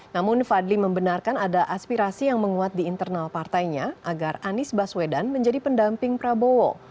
namun fadli membenarkan ada aspirasi yang menguat di internal partainya agar anies baswedan menjadi pendamping prabowo